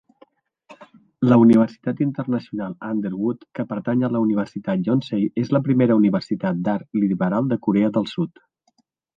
La Universitat internacional Underwood que pertany a la Universitat Yonsei és la primera universitat d'art liberal de corea del Sud.